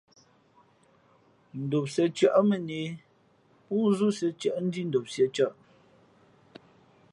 Ndom sīēcάʼ mά nehē póózú sīēcάʼ Ndhí ndom sīēcᾱʼ.